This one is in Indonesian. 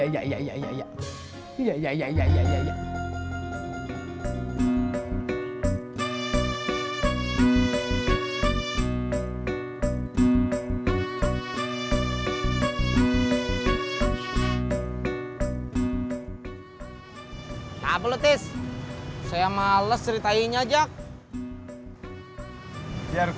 takpelu tis saya males ceritainya meinung